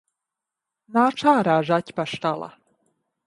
Nāc ārā, zaķpastala!